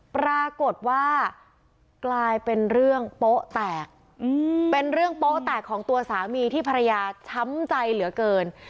ปรากฏว่ากลายเป็นเรื่องโป๊ะแตกเป็นเรื่องโป๊ะแตกของตัวสามีที่ภรรยาช้ำใจเหลือเกิน